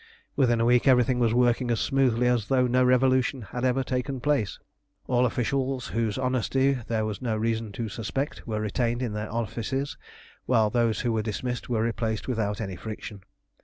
Within a week everything was working as smoothly as though no Revolution had ever taken place. All officials whose honesty there was no reason to suspect were retained in their offices, while those who were dismissed were replaced without any friction.